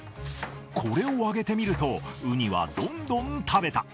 これをあげてみるとウニはどんどん食べた。